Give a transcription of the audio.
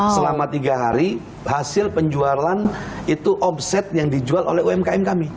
selama tiga hari hasil penjualan itu omset yang dijual oleh umkm kami